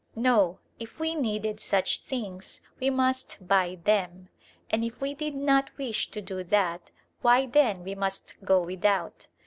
No, if we needed such things we must buy them; and if we did not wish to do that, why then we must go without.